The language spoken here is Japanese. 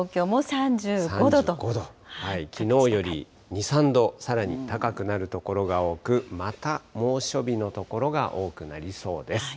３５度、きのうより２、３度、さらに高くなる所が多く、また猛暑日の所が多くなりそうです。